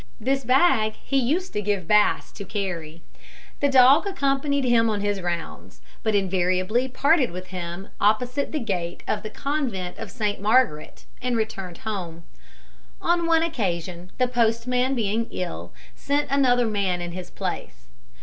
This bag he used to give Bass to carry. The dog accompanied him on his rounds, but invariably parted with him opposite the gate of the Convent of Saint Margaret, and returned home. On one occasion the postman, being ill, sent another man in his place.